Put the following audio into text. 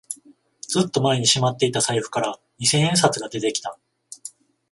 ずっと前にしまっていた財布から二千円札が出てきた